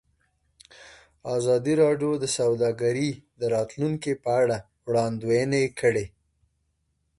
ازادي راډیو د سوداګري د راتلونکې په اړه وړاندوینې کړې.